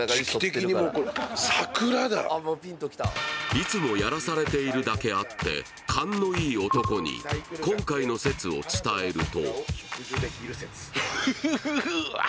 いつもやらされているだけあって勘のいい男に今回の説を伝えると。